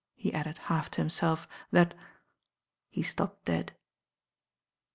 he added half to himself, "that " he stopped dead.